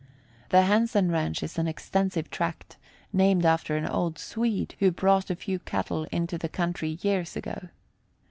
The Hansen ranch is an extensive tract, named after an old Swede, who brought a few cattle into the country years ago.